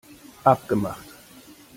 Abgemacht!